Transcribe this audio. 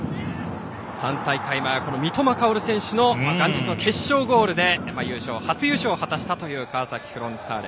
３大会前は三笘薫選手の元日の決勝ゴールで初優勝を果たしたという川崎フロンターレ